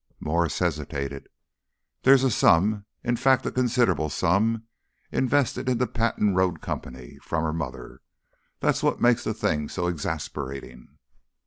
Mwres hesitated. "There's a sum in fact, a considerable sum invested in the Patent Road Company. From her mother. That's what makes the thing so exasperating."